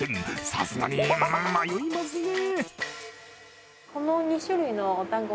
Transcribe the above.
さすがに迷いますね。